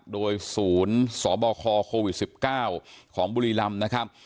โดยศูนย์สบคโควิด๑๙ของบุรีรำนะครับ